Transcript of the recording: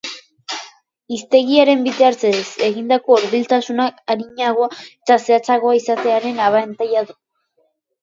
Hiztegiaren bitartez egindako hurbiltasunak arinagoa eta zehatzagoa izatearen abantaila du.